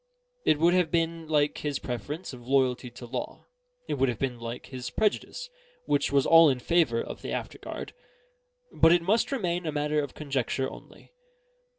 It would have been like his preference of loyalty to law; it would have been like his prejudice, which was all in favour of the after guard. But it must remain a matter of conjecture only.